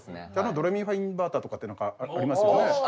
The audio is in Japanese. ドレミファインバータとかありますよね？